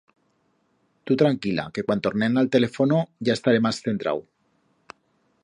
Tu tranquila, que cuan tornem a'l telefono ya estaré mas centrau.